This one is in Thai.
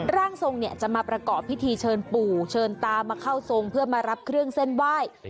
ร่างทรงเนี่ยจะมาประกอบพิธีเชิญปู่เชิญตามาเข้าทรงเพื่อมารับเครื่องเส้นไหว้